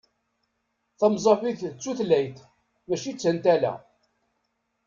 Tamẓabit d tutlayt mačči d tantala.